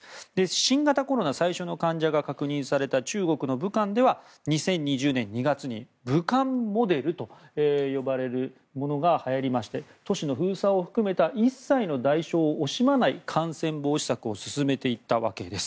新型コロナ最初の患者が確認された中国の武漢では２０２０年２月に武漢モデルと呼ばれるものがはやりまして都市の封鎖を含めた一切の代償を惜しまない感染防止策を進めていったわけです。